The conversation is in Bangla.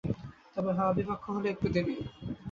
তবে হাওয়া বিপক্ষ হলে একটু দেরী।